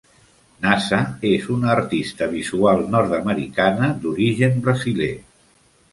Naza és una artista visual nord-americana d'origen brasiler.